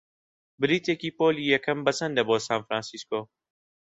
بلیتێکی پۆلی یەکەم بەچەندە بۆ سان فرانسیسکۆ؟